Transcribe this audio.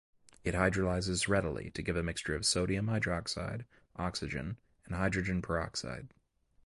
It hydrolyses readily to give a mixture of sodium hydroxide, oxygen and hydrogen peroxide.